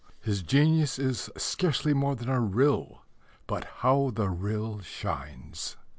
His genius is scarcely more than a rill. But how the rill shines!